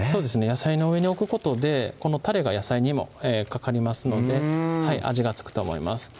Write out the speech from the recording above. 野菜の上に置くことでこのたれが野菜にもかかりますので味が付くと思います